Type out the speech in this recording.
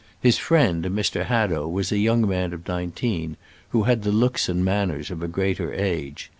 His friend, Mr. Hadow, was a young man of nineteen, who had the looks and manners of a greater age.